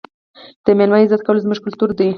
د مېلمه عزت کول زموږ کلتور دی.